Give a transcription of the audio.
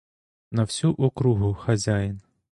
На всю округу хазяїн!